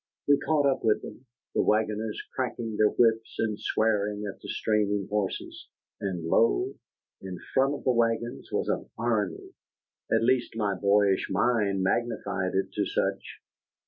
We caught up with them, the wagoners cracking their whips and swearing at the straining horses. And lo! in front of the wagons was an army, at least my boyish mind magnified it to such.